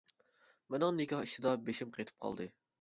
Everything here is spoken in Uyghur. مىنىڭ نىكاھ ئىشىدا بېشىم قېتىپ قالدى.